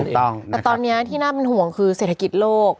ถูกต้องแต่ตอนนี้ที่น่าเป็นห่วงคือเศรษฐกิจโลก